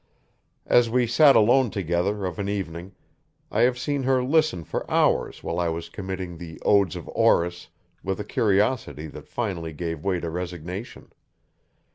As we sat alone together, of an evening, I have seen her listen for hours while I was committing the Odes of Horace with a curiosity that finally gave way to resignation.